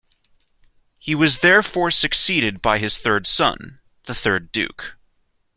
He was therefore succeeded by his third son, the third Duke.